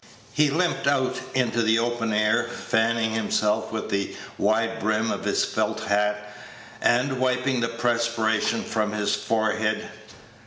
He limped out into the open air, fanning himself with the wide brim of his felt hat, and wiping the perspiration from his forehead.